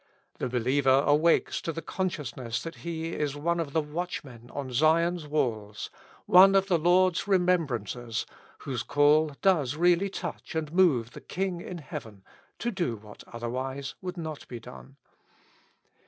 The believer awakes to the consciousness that he is one of the watchmen on Zion's walls, one of the Lord's remembrancers, whose call does really touch and move the King in heaven to do what would otherwise not be done.